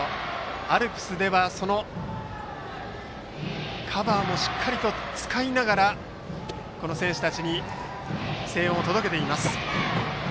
アルプスでは、そのカバーもしっかりと使いながら選手たちに声援を届けています。